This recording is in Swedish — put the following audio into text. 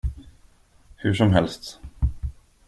Hur som helst.